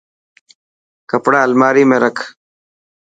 ڪپڙا الماري ۾ رک.